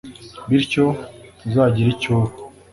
bityo ntuzagira icyo uba